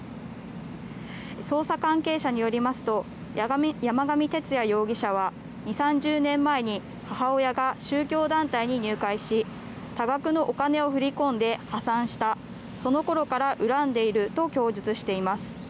捜査関係者によりますと山上徹也容疑者は２０３０年前に母親が宗教団体に入会し多額のお金を振り込んで破産したその頃から恨んでいると供述しています。